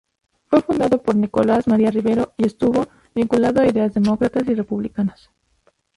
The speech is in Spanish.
Fue fundado por Nicolás María Rivero y estuvo vinculado a ideas demócratas y republicanas.